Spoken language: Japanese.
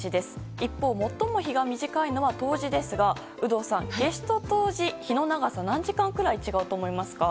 一方、最も日が短いのは冬至ですが、有働さん夏至と冬至、日の長さは何時間くらい違うと思いますか？